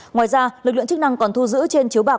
ngoài ra lực lượng chức năng còn thu giữ trên chiếu bạc